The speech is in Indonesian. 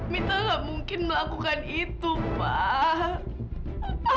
mita mungkin melakukan itu pak